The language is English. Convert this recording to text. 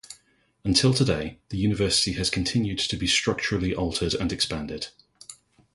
Until today, the university has continued to be structurally altered and expanded.